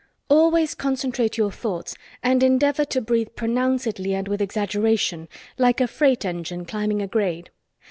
Always concentrate your thoughts and endeavor to breathe pronouncedly and with exaggeration, like a freight engine climbing a grade.